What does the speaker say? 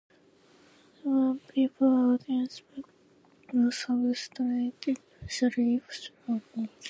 Catbirds prefer a dense vegetative substrate, especially if thorny vegetation is present.